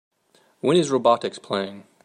When is Robotix playing?